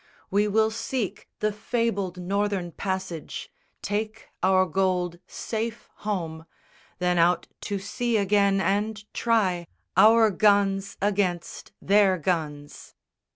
We will seek The fabled Northern passage, take our gold Safe home; then out to sea again and try Our guns against their guns."